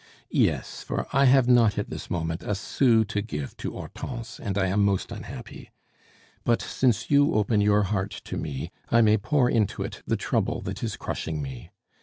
"Yes, for I have not at this moment a sou to give to Hortense, and I am most unhappy. But since you open your heart to me, I may pour into it the trouble that is crushing me.